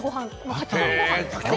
炊き込みご飯ですね。